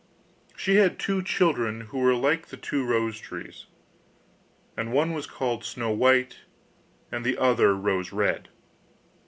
She had two children who were like the two rose trees, and one was called Snow white, and the other Rose red.